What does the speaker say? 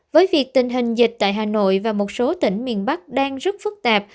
với việc tình hình dịch tại hà nội và một số tỉnh miền bắc đang rất phức tạp